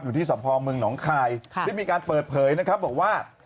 อยู่ที่สะพอมรึงหนองคลายที่มีการเปิดเผยนะครับบอกว่า